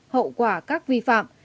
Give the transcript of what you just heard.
hậu quả các vi phạm